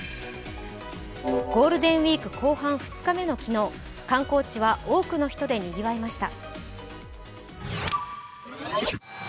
ゴールデンウイーク後半２日目の昨日観光地は多くの人でにぎわいました。